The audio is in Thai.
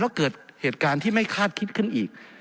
แล้วเกิดเหตุการณ์ที่ไม่คาดคิดขึ้นอีก